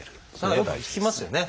よく聞きますよね。